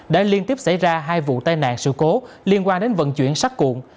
đã liên tiếp xảy ra hai vụ tai nạn sự cố liên quan đến vận chuyển sắt cuộn